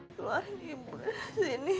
keluarin ibu sini